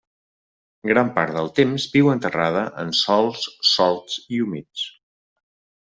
Gran part del temps viu enterrada en sòls solts i humits.